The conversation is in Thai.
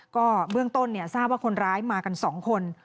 ก็เบื้องต้นทราบว่าคนร้ายมากัน๒คน